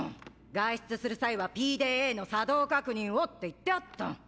外出する際はＰＤＡの作動確認をって言ってあった。